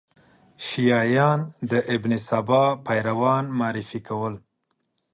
شیعیان د ابن سبا پیروان معرفي کول.